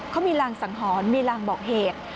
เขามีรางสังหรณ์มีรางบอกเหตุ